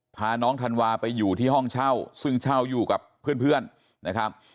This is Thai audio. พาน้องธันวาไปอยู่ที่ห้องเช่าซึ่งเช่าอยู่กับเพื่อนนะครับ